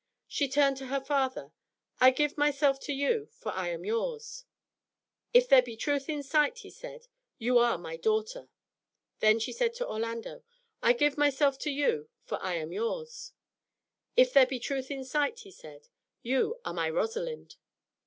She turned to her father "I give myself to you, for I am yours." "If there be truth in sight," he said, "you are my daughter." Then she said to Orlando, "I give myself to you, for I am yours." "If there be truth in sight," he said, "you are my Rosalind."